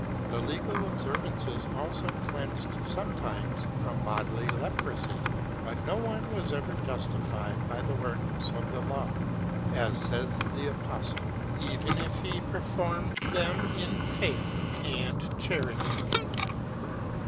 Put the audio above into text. These legal observances also cleansed sometimes from bodily leprosy; but no one was ever justified by the works of the Law, as says the apostle^, even if he performed them in faith and charity.